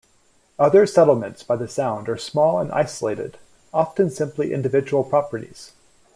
Other settlements by the sound are small and isolated-often simply individual properties.